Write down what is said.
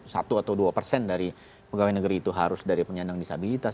satu atau dua persen dari pegawai negeri itu harus dari penyandang disabilitas